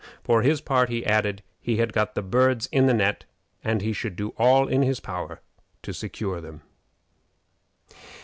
For his part, he added, he had got the birds in the net, and he should do all in his power to secure them.